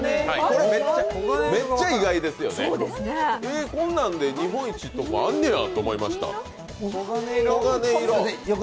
めっちゃ意外ですよね、こんなんで日本一とかあんねやと思いました。